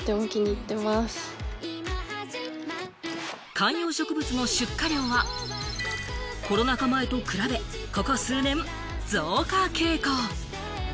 観葉植物の出荷量はコロナ禍前と比べ、ここ数年、増加傾向。